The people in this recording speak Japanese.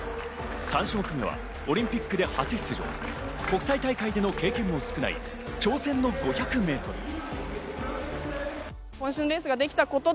３種目目はオリンピックで初出場、国際大会での経験も少ない、挑戦の５００メートル。